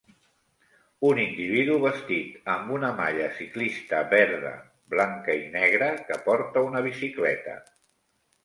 Un individu vestit amb una malla ciclista verda, blanca i negre que porta una bicicleta.